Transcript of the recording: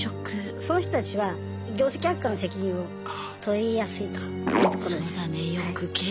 そういう人たちは業績悪化の責任を問いやすいというところです。